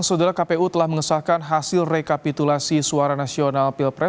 saudara kpu telah mengesahkan hasil rekapitulasi suara nasional pilpres